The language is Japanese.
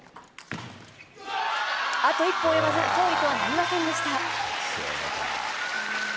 あと一歩及ばず、勝利にはなりませんでした。